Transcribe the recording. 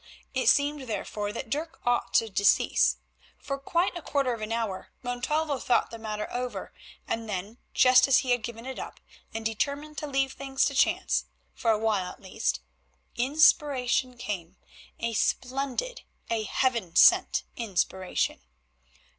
It seemed, therefore, that Dirk ought to decease. For quite a quarter of an hour Montalvo thought the matter over, and then, just as he had given it up and determined to leave things to chance, for a while at least, inspiration came, a splendid, a heaven sent inspiration.